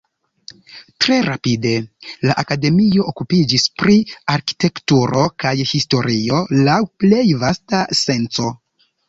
Tre rapide, la Akademio okupiĝis pri arkitekturo kaj historio laŭ plej vasta senco.